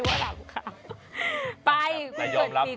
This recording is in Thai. นึกว่ารำข้าว